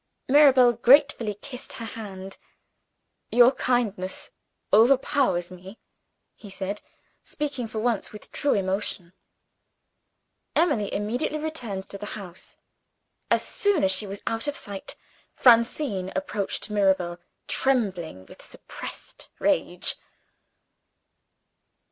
Mirabel gratefully kissed her hand. "Your kindness overpowers me," he said speaking, for once, with true emotion. Emily immediately returned to the house. As soon as she was out of sight, Francine approached Mirabel, trembling with suppressed rage.